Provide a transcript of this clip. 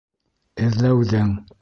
Эҙләүҙең!